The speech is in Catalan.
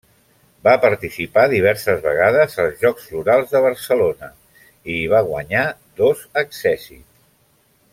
Va participar diverses vegades als Jocs Florals de Barcelona, i hi va guanyar dos accèssits.